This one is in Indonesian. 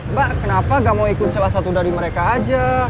mbak kenapa gak mau ikut salah satu dari mereka aja